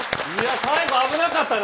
最後、危なかったね！